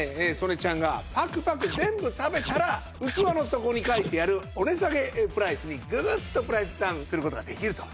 曽根ちゃんがパクパク全部食べたら器の底に書いてあるお値下げプライスにググッとプライスダウンする事ができると。